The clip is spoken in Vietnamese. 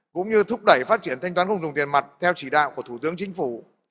cũng như thúc đẩy phát triển thanh toán không dùng tiền mặt theo chỉ đạo của thủ tướng chính phủ